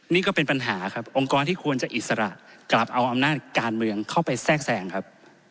นี่ก็เป็นปัญหาครับองค์กรที่ควรจะอิสระกลับเอาอำนาจการเมืองเข้าไปแทรกแทรงครับ